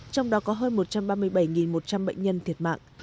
hai mươi bảy một trăm linh bệnh nhân thiệt mạng